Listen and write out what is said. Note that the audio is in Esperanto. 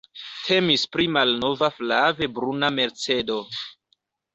Temis pri malnova flave bruna Mercedo.